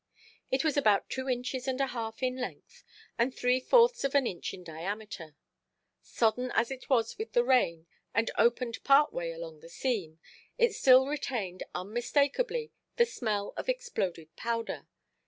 It was about two inches and a half in length, and three–fourths of an inch in diameter. Sodden as it was with the rain, and opened partway along the seam, it still retained, unmistakably, the smell of exploded powder.